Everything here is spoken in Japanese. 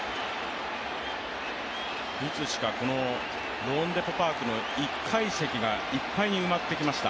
いつしかこのローンデポ・パークの１階席が埋まってきました。